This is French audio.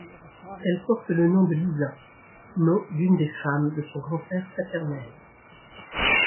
Elle porte le nom de Lisa, nom d'une des femmes de son grand-père paternel.